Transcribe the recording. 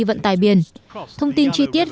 vận tài biển thông tin chi tiết